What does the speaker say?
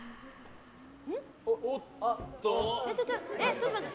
ちょっと待って。